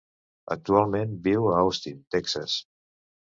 Actualment, viu a Austin, Texas.